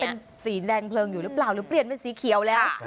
เป็นสีแดงเพลิงอยู่หรือเปล่าหรือเปลี่ยนเป็นสีเขียวแล้ว